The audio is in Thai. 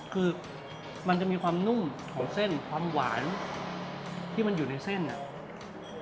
คือมันจะมีความนุ่มของเส้นความหวานที่มันอยู่ในเส้นเนี่ย